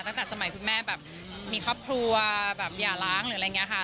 ตั้งแต่สมัยคุณแม่แบบมีครอบครัวแบบอย่าล้างหรืออะไรอย่างนี้ค่ะ